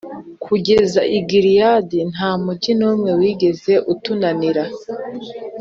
ukageza i Gileyadi, nta mugi n’umwe wigeze utunanira.